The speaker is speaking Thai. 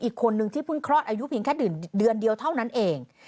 อีกคนนึงที่เพิ่งคลอดอายุเพียงแค่เดือนเดียวเท่านั้นเอง